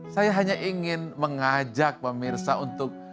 saya hanya ingin mengajak pemirsa untuk